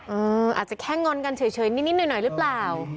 อาจจะแค่งอนกันเฉยนิดหน่อยหรือเปล่า